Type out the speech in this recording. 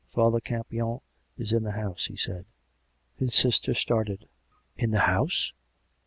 " Father Campion is in the house," he said. His sister started. " In the house?